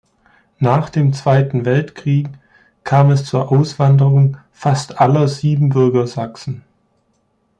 Nach dem Zweiten Weltkrieg kam es zur Auswanderung fast aller Siebenbürger Sachsen.